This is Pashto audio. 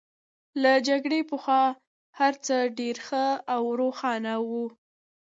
له جګړې پخوا هرڅه ډېر ښه او روښانه وو